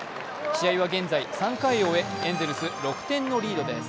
試合は現在、３回を追えエンゼルズ６点のリードです。